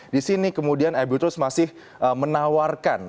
di sini kemudian abuturs masih menawarkan